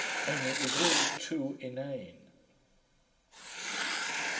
Only it was all too inane....